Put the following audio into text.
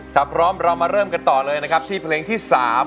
ถ้าพร้อมเรามาเริ่มกันต่อเลยนะครับที่เพลงที่๓